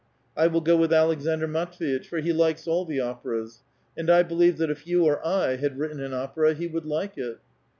I will go with Aleksandr Matv^iteh, for he likes all the operas ; and I believe that if you or I had written an opera, he would like it